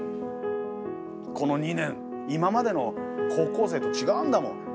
この２年今までの高校生と違うんだもん。